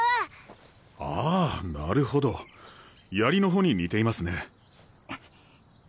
ああなるほど槍の穂に似ていますね。